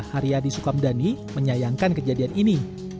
haryadi sukamdhani menyayangkan kejadian ini